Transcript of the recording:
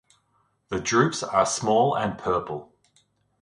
The drupes are small and purple.